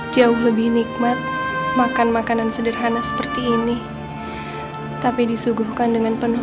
jauh lebih nikmat makan makanan sederhana seperti ini tapi disuguhkan dengan penuh